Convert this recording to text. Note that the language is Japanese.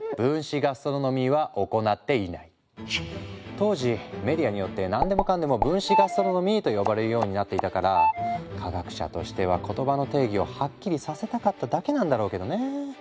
当時メディアによって何でもかんでも分子ガストロノミーと呼ばれるようになっていたから科学者としては言葉の定義をはっきりさせたかっただけなんだろうけどね。